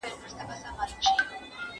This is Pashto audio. ¬ د زړه سوى، د کوني سوى.